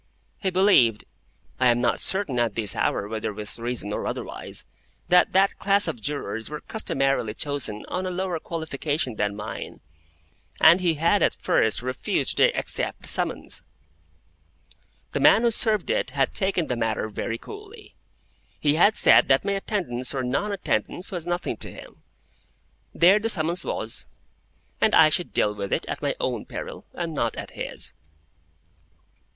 He believed—I am not certain at this hour whether with reason or otherwise—that that class of Jurors were customarily chosen on a lower qualification than mine, and he had at first refused to accept the summons. The man who served it had taken the matter very coolly. He had said that my attendance or non attendance was nothing to him; there the summons was; and I should deal with it at my own peril, and not at his.